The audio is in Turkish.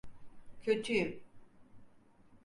Kötüyüm.